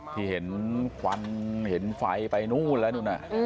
ที่เห็นควันเห็นไฟไปนู่นแล้วนู่นน่ะ